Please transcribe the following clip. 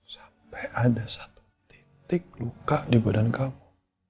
sampai ada satu titik luka di badan kamu